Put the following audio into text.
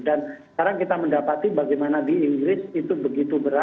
dan sekarang kita mendapati bagaimana di inggris itu begitu juga ya